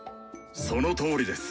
そのとおりです。